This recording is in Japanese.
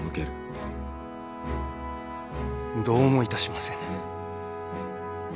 どうもいたしませぬ。